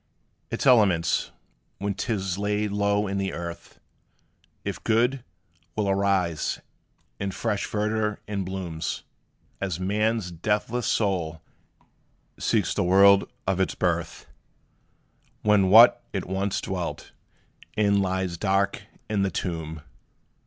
Its elements, when 't is laid low in the earth, If good, will arise in fresh verdure and bloom; As man's deathless soul seeks the world of its birth, When what it once dwelt in lies dark in the tomb.